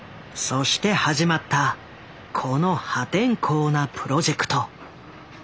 そして始まったこの破天荒なプロジェクト。